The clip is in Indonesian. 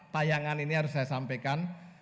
tayangan ini harus saya sampaikan